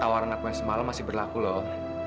tawaran aku yang semalam masih berlaku loh